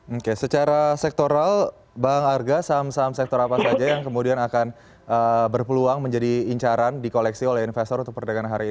oke secara sektoral bang arga saham saham sektor apa saja yang kemudian akan berpeluang menjadi incaran di koleksi oleh investor untuk perdagangan hari ini